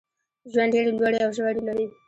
ژوند ډېري لوړي او ژوري لري.